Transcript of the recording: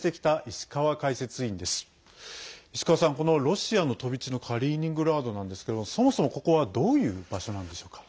石川さん、ロシアの飛び地のカリーニングラードなんですけどそもそもここはどういう場所なんでしょうか？